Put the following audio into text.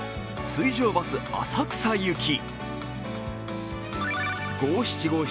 「水上バス浅草行き」